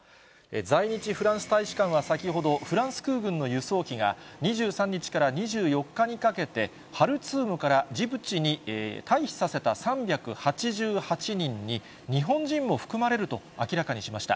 在日フランス大使館は先ほど、フランス空軍の輸送機が、２３日から２４日にかけて、ハルツームからジブチに退避させた３８８人に、日本人も含まれると明らかにしました。